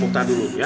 ustad dulu ya